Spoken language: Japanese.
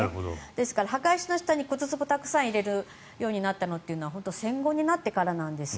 ですから、墓石の下に骨つぼをたくさん入れるようになったのは戦後になってからなんです。